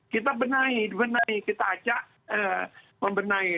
kita benahi benahi kita ajak membenahi